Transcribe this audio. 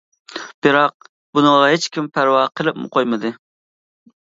بىراق بۇنىڭغا ھېچكىم پەرۋا قىلىپمۇ قويمىدى.